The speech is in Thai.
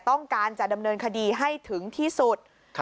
ต้องการจะดำเนินคดีให้ถึงที่สุด